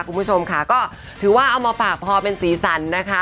คุณผู้ชมค่ะก็ถือว่าเอามาฝากพอเป็นสีสันนะคะ